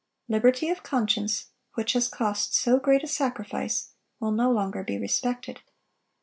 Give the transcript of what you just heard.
Liberty of conscience, which has cost so great a sacrifice, will no longer be respected.